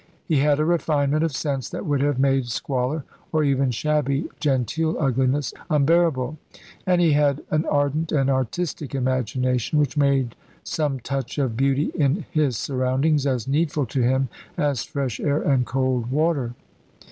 He had a refinement of sense that would have made squalor, or even shabby genteel ugliness, unbearable; and he had an ardent and artistic imagination which made some touch of beauty in his surroundings as needful to him as fresh air and cold water.